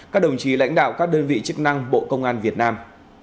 các đồng chí lãnh đạo các đơn vị chức năng bộ công an việt nam